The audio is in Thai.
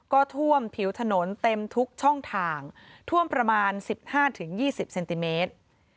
ก็ท่วมผิวถนนเต็มทุกช่องถ่างท่วมประมาณสิบห้าถึงยี่สิบเซนติเมตร